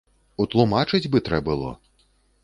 Утлумачыць бы трэ было.